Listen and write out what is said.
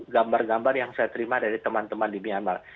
gambar gambar yang saya terima dari teman teman di myanmar